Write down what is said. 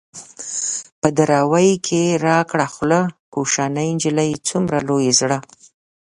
په دراوۍ کې را کړه خوله ـ کوشنۍ نجلۍ څومره لوی زړه